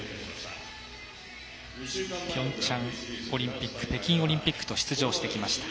ピョンチャンオリンピック北京オリンピックと出場してきました。